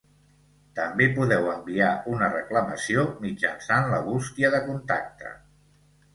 També podeu enviar una reclamació mitjançant la bústia de contacte.